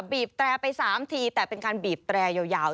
บีบแตรไป๓ทีแต่เป็นการบีบแตรยาว